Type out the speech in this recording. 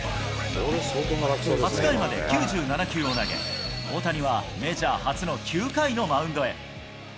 ８回まで９７球を投げ、大谷はメジャー初の９回のマウンドへ。